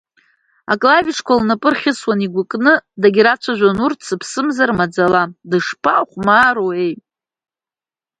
Аклавишқәа лнапы рхьысуан, игәыкны, дагьрацәажәон урҭ, сыԥсымзар, маӡала, Дышԥахәмаруеи!